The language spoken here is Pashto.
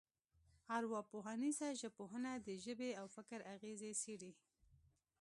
ارواپوهنیزه ژبپوهنه د ژبې او فکر اغېزې څېړي